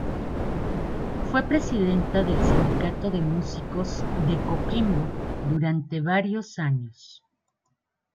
Fue presidenta del Sindicato de Músicos de Coquimbo durante varios años.